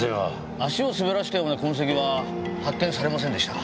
足を滑らせたような痕跡は発見されませんでした。